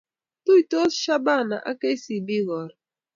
Tuitos shabana ak Kcb karon